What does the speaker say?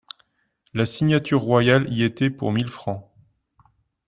La signature royale y était pour mille francs.